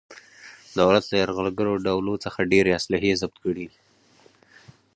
دولت له یرغلګرو ډولو څخه ډېرې اصلحې ضبط کړلې.